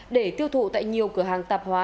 để tiêu thụ tại nhiều cửa hàng tạp hóa